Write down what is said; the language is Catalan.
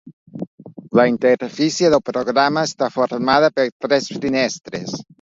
La interfície del programa està formada per tres finestres.